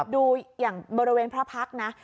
ดูอย่างบริเวณพระพักษณ์นะ